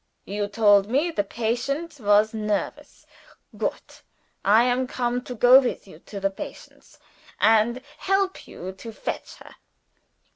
"You told me the patient was nervous. Goot! I am come to go with you to the patients, and help you to fetch her.